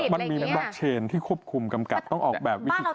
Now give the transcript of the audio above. มันมีเป็นบล็อกเชนที่ควบคุมกำกับต้องออกแบบวิธีการ